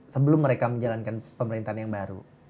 sebelum mereka menjalankan pemerintahan yang baru